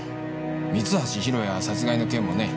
三橋弘也殺害の件もね